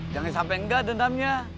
jangan sampai nggak dendamnya